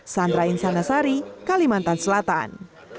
sandra insanasari kalimantan selatan